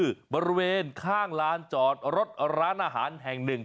คือบริเวณข้างลานจอดรถร้านอาหารแห่งหนึ่ง